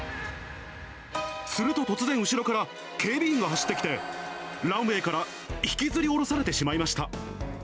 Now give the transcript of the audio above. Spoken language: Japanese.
すると突然、後ろから警備員が走ってきて、ランウエーから引きずりおろされてしまいました。